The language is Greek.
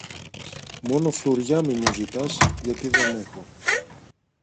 Μόνο φλουριά μη μου ζητάς γιατί δεν έχω.